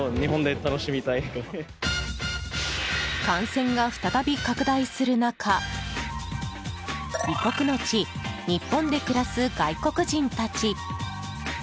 感染が再び拡大する中異国の地・日本で暮らす外国人たち。